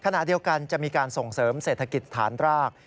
ขณะเดียวกันจะมีการส่งเสริมเศรษฐกิจฐานราก